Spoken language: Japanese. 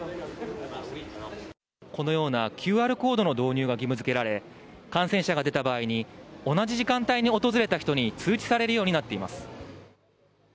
このようなＱＲコードの導入が義務づけられ、感染者が出た場合に、同じ時間帯に訪れた人に通知されるようになっています。